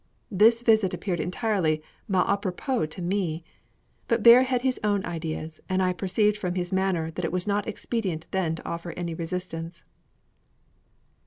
This visit appeared entirely mal àpropos to me, but Bear has his own ideas, and I perceived from his manner that it was not expedient then to offer any resistance.